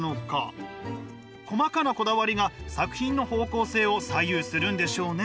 細かなこだわりが作品の方向性を左右するんでしょうね？